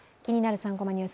３コマニュース」。